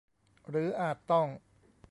หรืออาจต้อง